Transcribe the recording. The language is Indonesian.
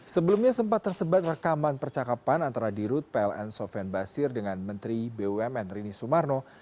sebelumnya sempat tersebar rekaman percakapan antara dirut pln sofian basir dengan menteri bumn rini sumarno